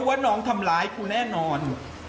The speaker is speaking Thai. ว่าน้องทำร้ายกูแน่นอน